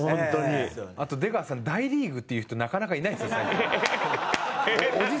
あと、出川さん「大リーグ」って言う人なかなかいないですよ。